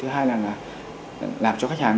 thứ hai là là làm cho khách hàng